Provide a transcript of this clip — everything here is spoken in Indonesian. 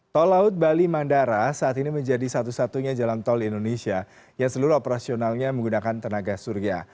tol laut bali mandara saat ini menjadi satu satunya jalan tol indonesia yang seluruh operasionalnya menggunakan tenaga surya